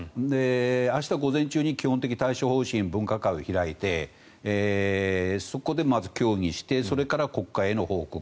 明日午前中に基本的対処方針分科会を開いてそこでまず協議してそれから国会への報告